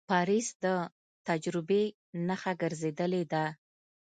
پاریس د تجربې نښه ګرځېدلې ده.